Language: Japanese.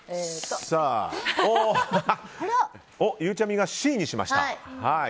ゆうちゃみがＣにしました。